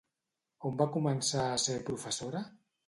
On va començar a ser professora?